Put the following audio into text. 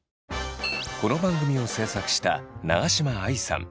この番組を制作した長嶋愛さん。